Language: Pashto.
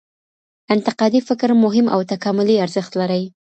انتقادي فکر مهم او تکاملي ارزښت لري.